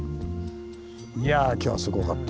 いやぁ今日はすごかった。